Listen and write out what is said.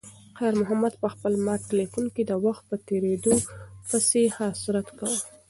خیر محمد په خپل مات تلیفون کې د وخت په تېریدو پسې حسرت کاوه.